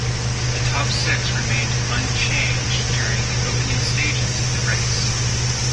The top six remained unchanged during the opening stages of the race.